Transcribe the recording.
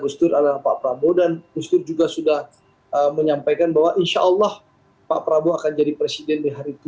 gusdur adalah pak prabowo dan gusdur juga sudah menyampaikan bahwa insya allah pak prabowo akan jadi presiden di hari tua